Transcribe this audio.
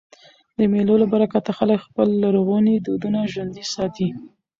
د مېلو له برکته خلک خپل لرغوني دودونه ژوندي ساتي.